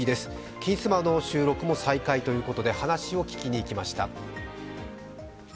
「金スマ」の収録も再開ということで話を聞きに行きました。